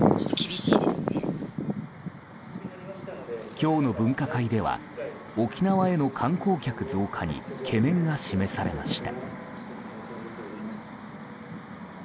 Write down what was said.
今日の分科会では沖縄への観光客増加に懸念が示されました。